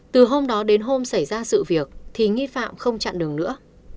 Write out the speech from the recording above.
từ hôm đó đến hôm xảy ra sự việc thì nghi phạm không chặn đường nữa